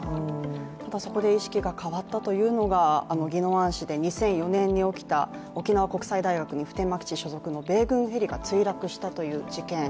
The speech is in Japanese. ただそこで意識が変わったというのが宜野湾市で２００５年に起きた沖縄国際大学に普天間基地所属の米軍ヘリが墜落したという事件。